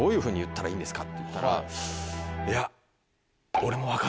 「いや」。